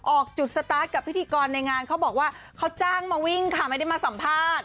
ออกจุดสตาร์ทกับพิธีกรในงานเขาบอกว่าเขาจ้างมาวิ่งค่ะไม่ได้มาสัมภาษณ์